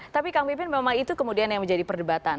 tapi kang pipin memang itu kemudian yang menjadi perdebatan